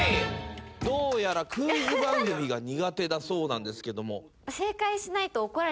どうやらクイズ番組が苦手だそうなんですけども。